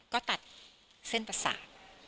ก็ตัดเส้นประสาท